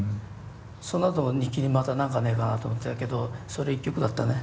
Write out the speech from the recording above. そのあと日記にまた何かねえかなと思ってたけどそれ一曲だったね。